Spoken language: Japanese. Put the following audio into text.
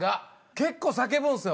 結構叫ぶんすよ。